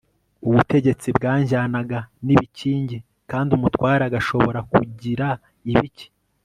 ubutegetsi bwajyanaga n'ibikingi kandi umutware agashobora kugira ibiki